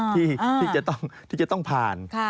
ที่จะต้องผ่าน